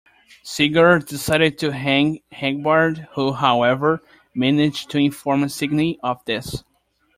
Sigar decided to hang Hagbard, who, however, managed to inform Signy of this.